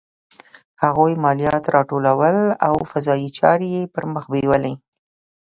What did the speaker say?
هغوی مالیات راټولول او قضایي چارې یې پرمخ بیولې.